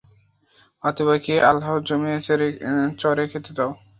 অতএব, একে আল্লাহর যমীনে চরে খেতে দাও।